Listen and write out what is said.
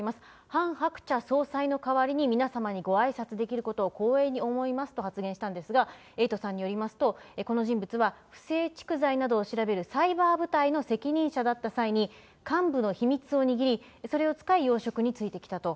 ハン・ハクチャ総裁の代わりに、皆様にごあいさつできることを光栄に思いますと発言したんですが、エイトさんによりますと、この人物は、不正蓄財などを調べるサイバー部隊の責任者だった際に、幹部の秘密を握り、それを使い、要職に就いてきたと。